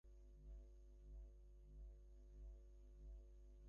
রাজশাহিতে তাঁহার এক আত্মীয় উকিলের বাড়িতে গিয়া আশ্রয় লইলেন।